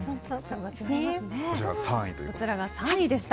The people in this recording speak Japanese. こちらが３位でした。